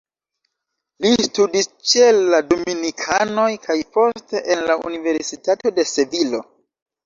Li studis ĉe la dominikanoj kaj poste en la Universitato de Sevilo.